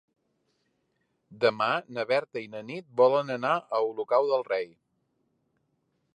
Demà na Berta i na Nit volen anar a Olocau del Rei.